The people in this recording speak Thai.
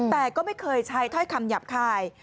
แต่ก็ไม่เคยใช้ถ้อยคำหยาบคาย